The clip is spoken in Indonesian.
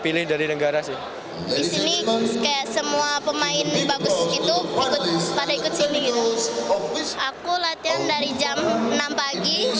aku latihan dari jam enam pagi itu sampai jam tujuh itu pising